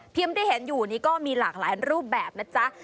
พีมที่เห็นอยู่นี่ก็มีหลากหลายรูปแบบน่าจะ